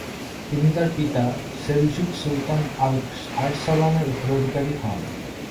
তিনি তার পিতা সেলজুক সুলতান আল্প আরসালানের উত্তরাধীকারী হন।